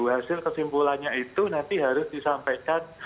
hasil kesimpulannya itu nanti harus disampaikan